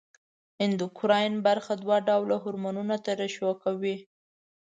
اندوکراین برخه دوه ډوله هورمونونه ترشح کوي.